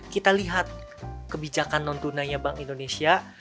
kita lihat kebijakan non tunainya bank indonesia